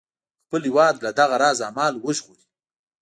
خپل هیواد له دغه راز اعمالو وژغوري.